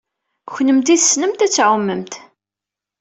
Kennemti tessnemt ad tɛumemt.